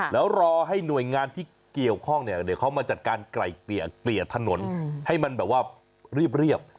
แล้วรอให้หน่วยงานที่เกี่ยวข้องเนี่ยเดี๋ยวเขามาจัดการไกลเกลี่ยถนนให้มันแบบว่าเรียบ